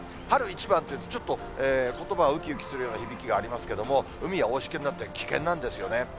春一番というと、ちょっと、ことばはうきうきするような響きがありますけれども、海は大しけになって危険なんですよね。